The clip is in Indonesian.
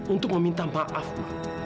untuk meminta maaf ma